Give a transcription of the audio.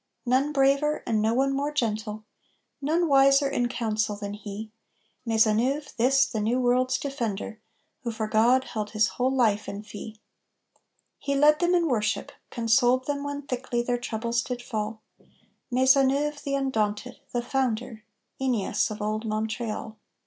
None braver, and no one more gentle, none wiser in council than he, Maisonneuve, this, the new world's defender, who for God held his whole life in fee. He led them in worship, consoled them when thickly their troubles did fall, Maisonneuve the undaunted, the founder, Æneas of old Montreal.